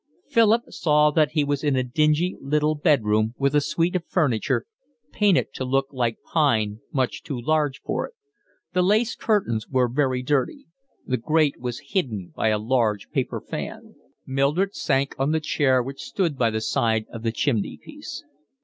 Philip saw that he was in a dingy little bed room with a suite of furniture, painted to look like pine much too large for it; the lace curtains were very dirty; the grate was hidden by a large paper fan. Mildred sank on the chair which stood by the side of the chimney piece.